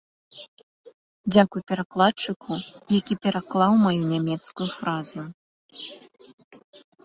Дзякуй перакладчыку, які пераклаў маю нямецкую фразу.